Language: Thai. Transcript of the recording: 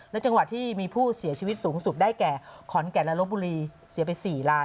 และจังหวัดที่มีผู้เสียชีวิตสูงสุดได้แก่ขอนแก่นและลบบุรีเสียไป๔ลาย